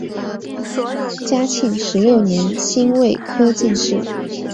嘉庆十六年辛未科进士。